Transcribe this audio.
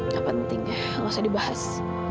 gak penting gak usah dibahas